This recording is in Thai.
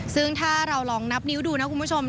ซึ่งถ้าเราลองนับนิ้วดูนะคุณผู้ชม